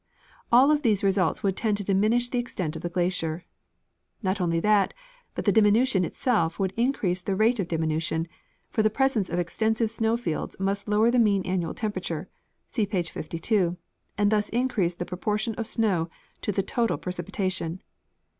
All of these results would tend to diminish the extent of the glacier. Not only that, but the diminution itself would increase the rate of diminution, for the presence, of extensive snow fields must lower the mean annual temperature (see page 52) and thus increase the proportion of snow to the total pre cipitation.